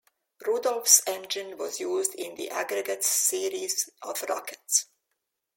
Rudolph's engine was used in the Aggregat series of rockets.